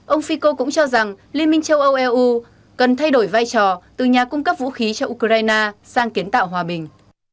ông fico cũng cho rằng liên minh châu âu eu cần thay đổi vai trò từ nhà cung cấp vũ khí cho ukraine sang kiến tạo hòa bình